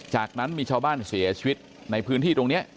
จากนั้นมีชาวบ้านเสียชีวิตในพื้นที่ตรงนี้